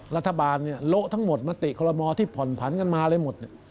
รัฐบาลเนี่ยโละทั้งหมดมติคอลโมที่ผ่อนผันกันมาอะไรหมด